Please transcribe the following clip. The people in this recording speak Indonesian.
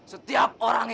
setiap orang yang berubah